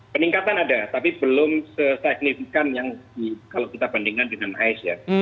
peningkatan ada tapi belum sesignifikan yang kalau kita bandingkan dengan ais ya